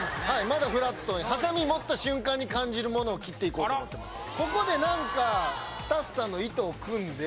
まだフラットハサミ持った瞬間に感じるものを切っていこうと思ってます